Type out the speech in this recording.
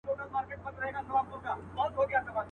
هغه چنار ته د مرغیو ځالګۍ نه راځي.